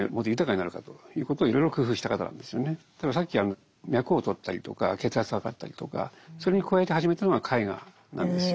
例えばさっき脈をとったりとか血圧を測ったりとかそれに加えて始めたのが絵画なんですよ。